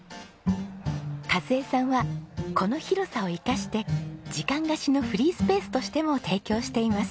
和枝さんはこの広さを生かして時間貸しのフリースペースとしても提供しています。